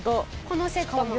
このセットも。